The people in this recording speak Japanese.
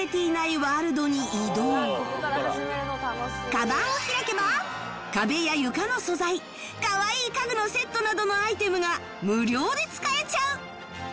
カバンを開けば壁や床の素材かわいい家具のセットなどのアイテムが無料で使えちゃう